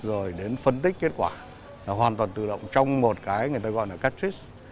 rồi đến phân tích kết quả hoàn toàn tự động trong một cái người ta gọi là cartridge